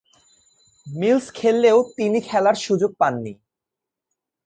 Mills খেললেও তিনি খেলার সুযোগ পাননি।